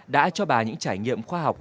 đã cho bà những trải nghiệm khoa học